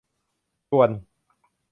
ชวน